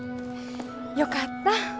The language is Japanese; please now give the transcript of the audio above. よかった。